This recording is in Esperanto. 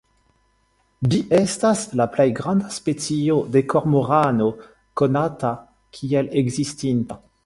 Ĝi estas la plej granda specio de kormorano konata kiel ekzistinta.